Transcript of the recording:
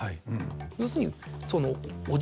要するにその。